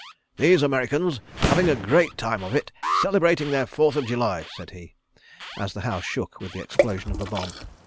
"These Americans are having a great time of it celebrating their Fourth of July," said he, as the house shook with the explosion of a bomb.